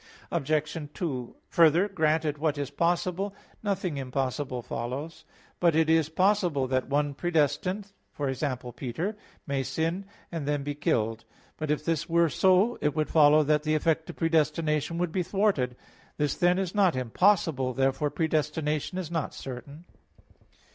Obj. 2: Further, granted what is possible, nothing impossible follows. But it is possible that one predestined e.g. Peter may sin and then be killed. But if this were so, it would follow that the effect of predestination would be thwarted. This then, is not impossible. Therefore predestination is not certain.